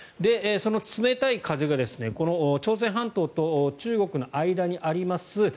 その冷たい風がこの朝鮮半島と中国の間にあります